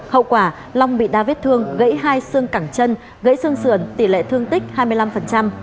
hậu quả long bị đa vết thương gãy hai xương cẳng chân gãy xương sườn tỷ lệ thương tích hai mươi năm